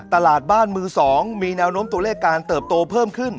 ตลาดบ้านมือ๒มีแนวโน้มตัวเลขการเติบโตเพิ่มขึ้น